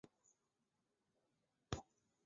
陈与义人。